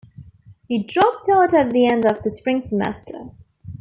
He dropped out at the end of the Spring semester.